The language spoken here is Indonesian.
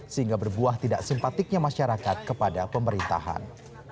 sehingga berbuah tidak simpatiknya masyarakat kepada pemerintahan